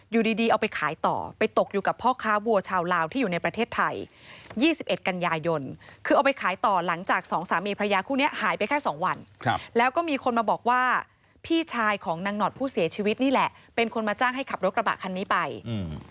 อยู่ดีดีเอาไปขายต่อไปตกอยู่กับพ่อค้าวัวชาวลาวที่อยู่ในประเทศไทยยี่สิบเอ็ดกันยายนคือเอาไปขายต่อหลังจากสองสามีพระยาคู่เนี้ยหายไปแค่สองวันครับแล้วก็มีคนมาบอกว่าพี่ชายของนางหนอดผู้เสียชีวิตนี่แหละเป็นคนมาจ้างให้ขับรถกระบะคันนี้ไปอืม